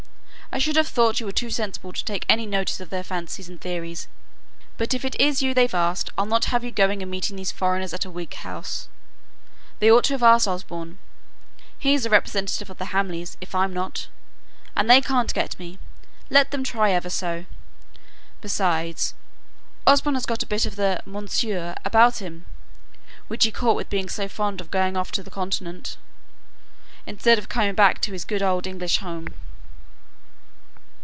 I should have thought you were too sensible to take any notice of their fancies and theories; but if it is you they've asked, I'll not have you going and meeting these foreigners at a Whig house. They ought to have asked Osborne. He's the representative of the Hamleys, if I'm not; and they can't get me, let 'em try ever so. Besides, Osborne has got a bit of the mounseer about him, which he caught with being so fond of going off to the Continent, instead of coming back to his good old English home."